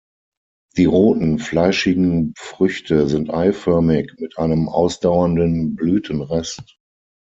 Die roten, fleischigen Früchte sind eiförmig mit einem ausdauernden Blütenrest.